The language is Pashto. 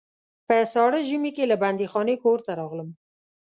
په ساړه ژمي کې له بندیخانې کور ته راغلم.